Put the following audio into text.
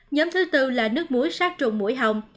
nhóm thứ tư là nước muối sát trùng mũi hồng